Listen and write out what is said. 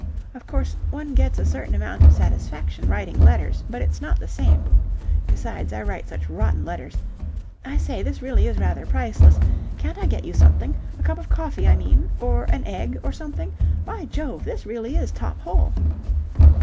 Of course, one get's a certain amount of satisfaction writing letters, but it's not the same. Besides, I write such rotten letters. I say, this really is rather priceless. Can't I get you something? A cup of coffee, I mean, or an egg or something? By jove! this really is top hole."